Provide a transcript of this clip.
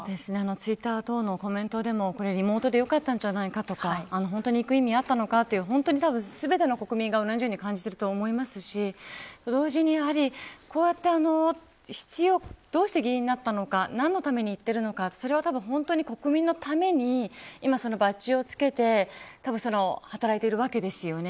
ツイッターなどのコメントでもリモートでもよかったんじゃないかとか本当に行く意味あったのかと全ての国民が同じように感じていると思いますし同時に、こうやってどうして議員になったのか何のために行ってるのかそれは本当に国民のために今、バッジを付けて働いているわけですよね。